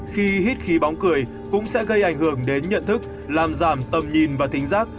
khi hít khí bóng cười cũng sẽ gây ảnh hưởng đến nhận thức làm giảm tầm nhìn và tính giác